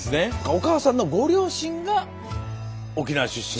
お母さんのご両親が沖縄出身。